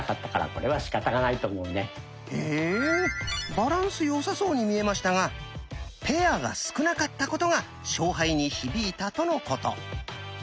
バランスよさそうに見えましたがペアが少なかったことが勝敗に響いたとのこと。